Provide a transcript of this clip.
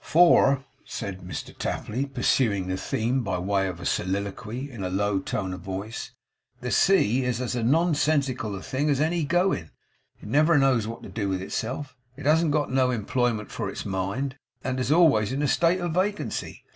' For,' said Mr Tapley, pursuing the theme by way of soliloquy in a low tone of voice; 'the sea is as nonsensical a thing as any going. It never knows what to do with itself. It hasn't got no employment for its mind, and is always in a state of vacancy.